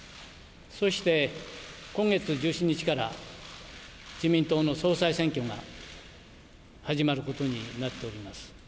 そして今月１７日から自民党の総裁選挙が始まることになっております。